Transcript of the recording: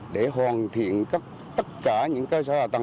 để hoàn thiện tất cả những cơ sở hạ tầng